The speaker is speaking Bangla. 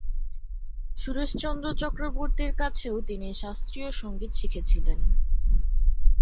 সুরেশচন্দ্র চক্রবর্তীর কাছেও তিনি শাস্ত্রীয় সঙ্গীত শিখেছিলেন।